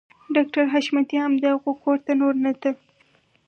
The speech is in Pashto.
ډاکټر حشمتي هم د هغوی کور ته نور نه ته